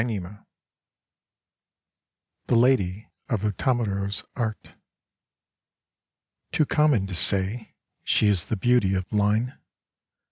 99 THE LADY OF UTAMARO^S ART Too common to say she is the beauty of iine.